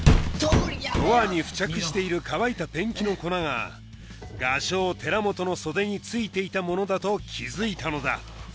ドアに付着している乾いたペンキの粉が画商寺本の袖に付いていたものだと気づいたのだ